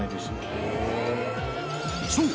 ［そう。